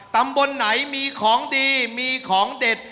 ตำบลไหนมีของดีมีของเด็ด